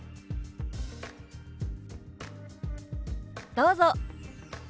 どうぞ。